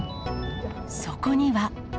そこには。